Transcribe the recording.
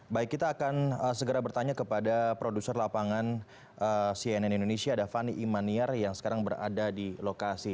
baik kita akan segera bertanya kepada produser lapangan cnn indonesia davani imaniar yang sekarang berada di lokasi